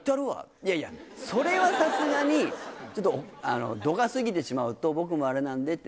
いやいや、それはさすがに、ちょっと度が過ぎてしまうと、僕もあれなんでって。